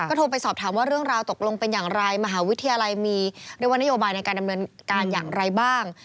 โทรไปสอบถามว่าเรื่องราวตกลงเป็นอย่างไรมหาวิทยาลัยมีเรียกว่านโยบายในการดำเนินการอย่างไรบ้าง